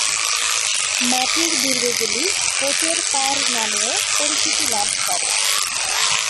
মাটির দুর্গগুলি ‘কোটের পাড়’ নামেও পরিচিতি লাভ করে।